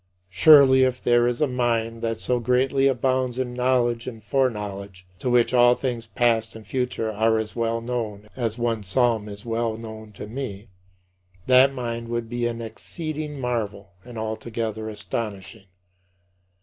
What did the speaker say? Surely, if there is a mind that so greatly abounds in knowledge and foreknowledge, to which all things past and future are as well known as one psalm is well known to me, that mind would be an exceeding marvel and altogether astonishing.